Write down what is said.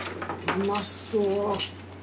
うまそう。